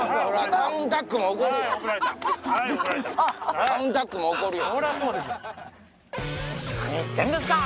カウンタックも怒るよ。